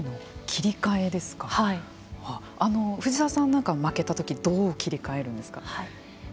藤沢さんなんかは負けた時どう切り替えるんですか。